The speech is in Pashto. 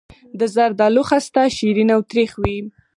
د زردالو خسته شیرین او تریخ وي.